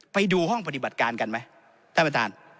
ไปดูห้องปฏิบัติการกันไหมท่านประธาน